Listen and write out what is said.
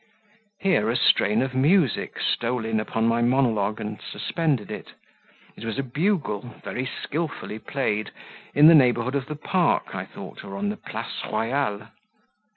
Here a strain of music stole in upon my monologue, and suspended it; it was a bugle, very skilfully played, in the neighbourhood of the park, I thought, or on the Place Royale.